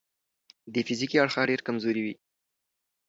د فزیکي اړخه ډېر کمزوري وي.